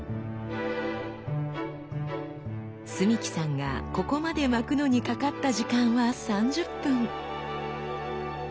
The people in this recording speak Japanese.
澄輝さんがここまで巻くのにかかった時間は３０分。